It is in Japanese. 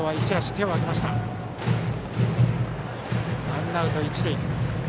ワンアウト一塁。